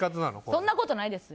そんなことないです。